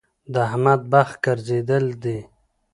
د احمد بخت ګرځېدل دی.